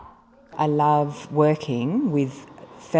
chị đã đồng ý với các cộng đồng như thế này